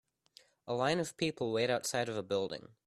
A line of people wait outside of a building.